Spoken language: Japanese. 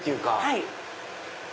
はい。